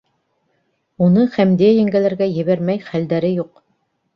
Уны Хәмдиә еңгәләргә ебәрмәй хәлдәре юҡ.